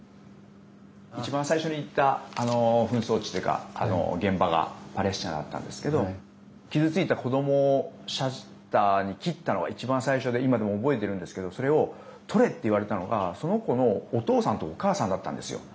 一番最初に行った紛争地というか現場がパレスチナだったんですけど傷ついた子どもをシャッターに切ったのは一番最初で今でも覚えてるんですけどそれを撮れって言われたのがその子のお父さんとお母さんだったんですよ。